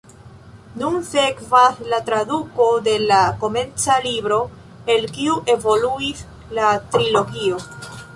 Nun sekvas la traduko de la komenca libro, el kiu evoluis la trilogio.